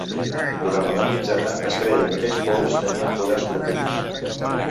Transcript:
Durant l'edat mitjana es creia que aquests pous tenien poders curatius.